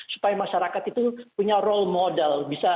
supaya masyarakat itu punya role model